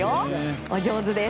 お上手です。